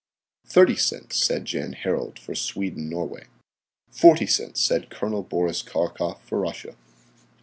"Thirty cents," said Jan Harald, for Sweden Norway. "Forty cents," said Col. Boris Karkof, for Russia.